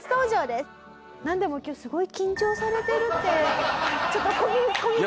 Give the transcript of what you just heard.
なんでも今日すごい緊張されてるってちょっと小耳に。